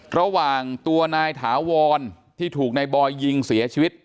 ระหว่างตัวนายถาวรที่ถูกนายบอยยิงเสียชีวิต